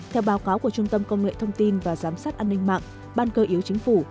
theo báo cáo của trung tâm công nghệ thông tin và giám sát an ninh mạng ban cơ yếu chính phủ